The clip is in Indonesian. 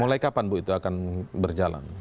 mulai kapan bu itu akan berjalan